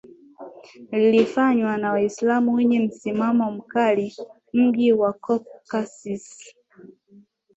lilifanywa na waisilamu wenye msimamo mkali mji wa cockasis